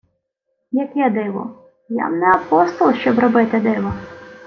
— Яке диво? Я-м не апостол, щоб робити диво.